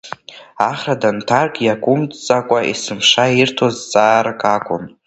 Ахра данҭарк, иааҟәымҵӡакәа есымша ирҭоз зҵаарак акән.